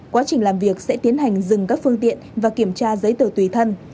quá trình làm việc sẽ tiến hành dừng các phương tiện và kiểm tra giấy tờ tùy thân